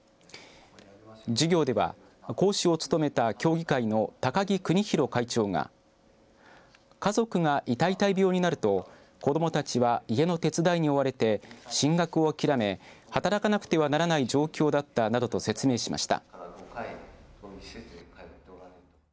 授業では講師を務めた協議会の高木勲寛会長が家族がイタイイタイ病になると子どもたちは家の手伝いに追われて進学をあきらめ働かなくてはならない状況だったなどと説明しました。